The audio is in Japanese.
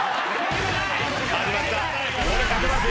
始まった！